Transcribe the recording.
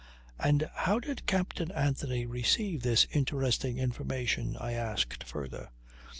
"And how did Captain Anthony receive this interesting information?" I asked further.